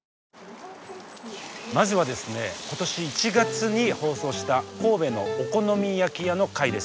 まずはですね今年１月に放送した神戸のお好み焼き屋の回です。